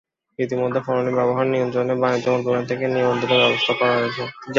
ইতিমধ্যে ফরমালিনের ব্যবহার নিয়ন্ত্রণে বাণিজ্য মন্ত্রণালয় থেকে নিবন্ধনের ব্যবস্থাও করা হয়েছে।